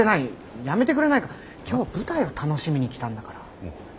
やめてくれないか今日は舞台を楽しみに来たんだから。